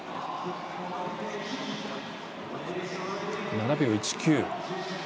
７秒１９。